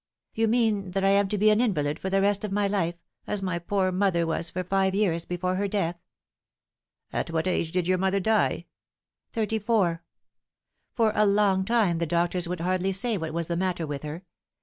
" You mean that I am to be an invalid for the rest of my life, as^my poor mother was for five years before her death ?"" At what age did your mother die ?"" Thirty four. For a long time the doctors would hardly say what was the matter with her.